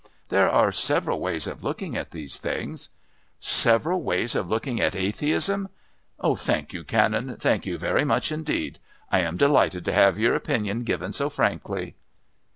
"There are several ways of looking at these things " "Several ways of looking at atheism? Thank you, Canon. Thank you very much indeed. I am delighted to have your opinion given so frankly."